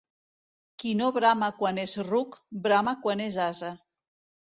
Qui no brama quan és ruc, brama quan és ase.